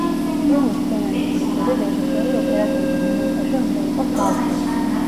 ფილმის სცენარის ავტორი, რეჟისორი, ოპერატორი და მემონტაჟე უნდა იყოს ბავშვი.